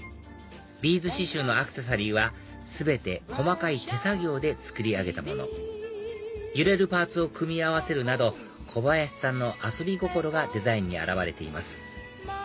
ビーズ刺しゅうのアクセサリーは全て細かい手作業で作り上げたもの揺れるパーツを組み合わせるなど小林さんの遊び心がデザインに表れています